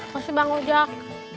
masih bangun jok